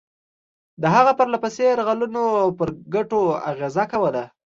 د هغه پرله پسې یرغلونو پر ګټو اغېزه کوله.